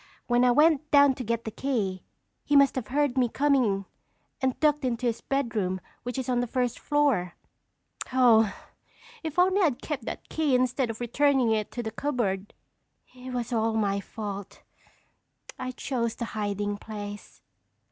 When I went down to get the key, he must have heard me coming and ducked into his bedroom which is on the first floor. Oh, if only I'd kept that key instead of returning it to the cupboard!" "It was all my fault. I chose the hiding place."